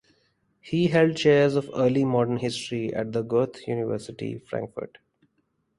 He held chairs of early modern history at the Goethe University Frankfurt.